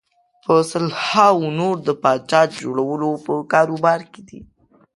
په سلهاوو نور د پاچا جوړولو په کاروبار کې دي.